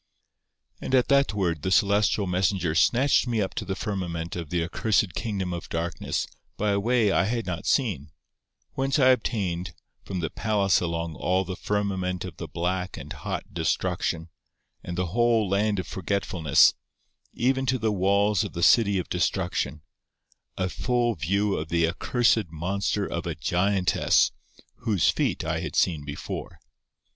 And at that word the celestial messenger snatched me up to the firmament of the accursed kingdom of darkness by a way I had not seen, whence I obtained, from the palace along all the firmament of the black and hot Destruction, and the whole land of forgetfulness, even to the walls of the city of Destruction, a full view of the accursed monster of a giantess, whose feet I had seen before.